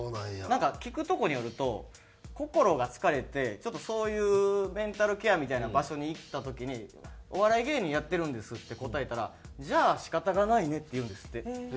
なんか聞くとこによると心が疲れてちょっとそういうメンタルケアみたいな場所に行った時に「お笑い芸人やってるんです」って答えたら「じゃあ仕方がないね」って言うんですって。